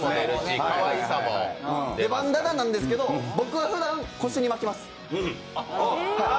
バンダナなんですけど、僕はふだん、腰に巻きます。